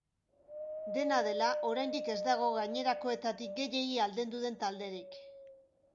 Dena dela, oraindik ez dago gainerakoetatik gehiegi aldendu den talderik.